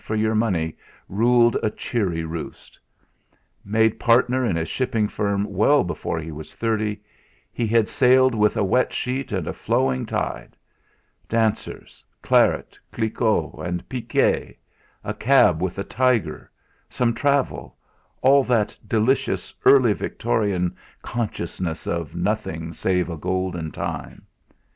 for your money ruled a cheery roost. Made partner in his shipping firm well before he was thirty, he had sailed with a wet sheet and a flowing tide; dancers, claret, Cliquot, and piquet; a cab with a tiger; some travel all that delicious early Victorian consciousness of nothing save a golden time.